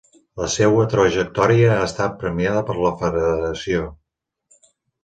La seua trajectòria ha estat premiada per la federació.